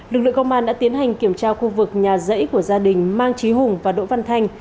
lực lượng công an đã tiến hành kiểm tra khu vực nhà rẫy của gia đình mang trí hùng và đỗ văn thanh